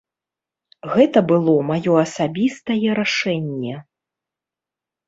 Гэта было маё асабістае рашэнне.